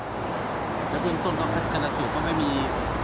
แล้วเพียงต้นต้นกรรณสุทธิ์ก็ไม่มี